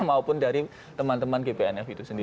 maupun dari teman teman gpnf itu sendiri